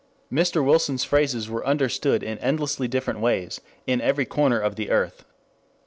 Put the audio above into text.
Mr. Wilson's phrases were understood in endlessly different ways in every corner of the earth.